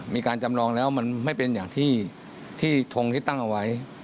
มีการจำลองแล้วมันไม่เป็นอย่างที่ทงที่ตั้งเอาไว้